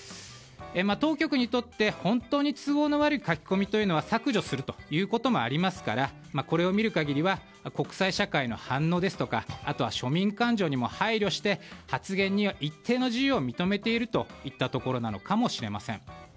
当局にとって本当に都合の悪い書き込みというのは削除することもありますからこれを見る限りは国際社会の反応ですとかあとは庶民感情にも配慮して発言には一定の自由を認めているといったところなのかもしれません。